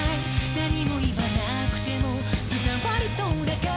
「何も言わなくても伝わりそうだから」